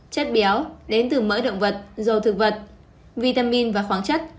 chất béo đến từ mỡ động vật rồ thực vật vitamin và khoáng chất